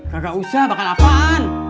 gak usah bakal apaan